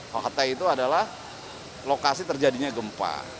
hotel itu adalah lokasi terjadinya gempa